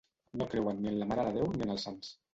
No creuen ni en la Mare de Déu ni en els sants.